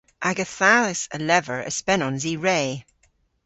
Aga thas a lever y spenons i re.